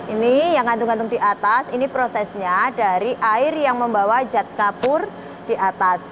ini yang ngantung gantung di atas ini prosesnya dari air yang membawa jad kapur di atas